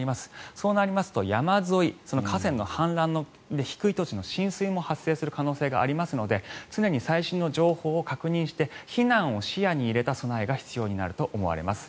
そうなりますと山沿い河川の氾濫、低い土地の浸水も発生する可能性がありますので常に最新の情報を確認して避難を視野に入れた備えが必要になると思います。